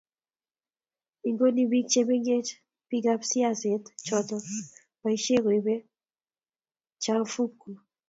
igoni biik chemengech biikap siaset choto boishet koibe tmchafuk